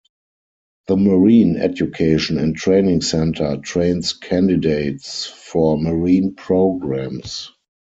The Marine Education and Training Center trains candidates for marine programs.